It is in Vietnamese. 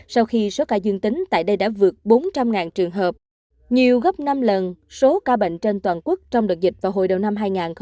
sau khi số ca dương tính tại đây đã vượt bốn trăm linh trường hợp nhiều gấp năm lần số ca bệnh trên toàn quốc trong đợt dịch vào hồi đầu năm hai nghìn hai mươi ba